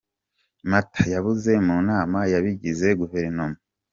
Mata: Yabuze mu nama y’ abagize guverinoma .